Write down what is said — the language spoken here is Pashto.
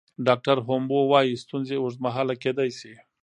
ډاکټره هومبو وايي ستونزې اوږدمهاله کیدی شي.